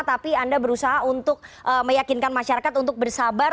tapi anda berusaha untuk meyakinkan masyarakat untuk bersabar